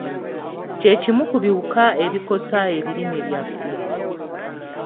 Kye kimu ku biwuka ebikosa ebirime byaffe.